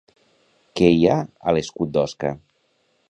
Què hi ha a l'escut d'Osca?